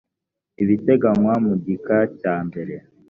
ibiteganywa mu gika cya mbere